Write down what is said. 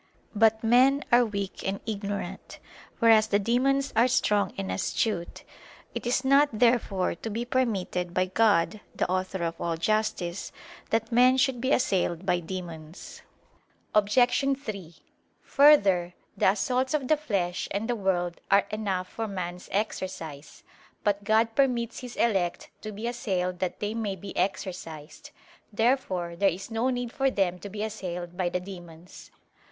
But men are weak and ignorant, whereas the demons are strong and astute. It is not therefore to be permitted by God, the author of all justice, that men should be assailed by demons. Obj. 3: Further, the assaults of the flesh and the world are enough for man's exercise. But God permits His elect to be assailed that they may be exercised. Therefore there is no need for them to be assailed by the demons.